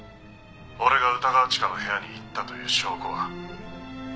「俺が歌川チカの部屋に行ったという証拠は？」